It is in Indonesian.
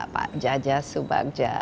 pak jaja subagja